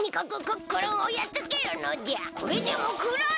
これでもくらえ！